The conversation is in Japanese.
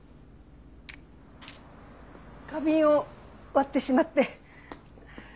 花瓶を割ってしまって。